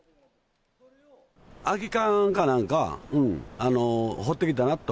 空き缶かなんか放ってきたなと。